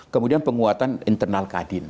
kemudian penguatan internal kadin